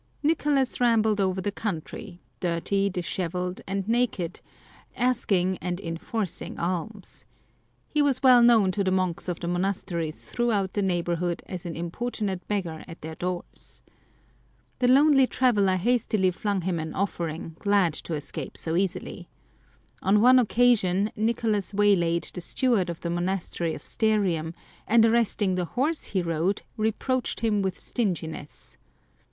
Nicolas rambled over the country, dirty, dishevelled, and naked, asking and enforcing alms. He was well known to the monks of the monasteries throughout the neighbourhood as an importunate beggar at their doors. The lonely traveller hastily flung him an offering, glad to escape so easily. On one occasion Nicolas waylaid the steward of the monastery of Sterium, and arresting the horse he rode, reproached him with stinginess.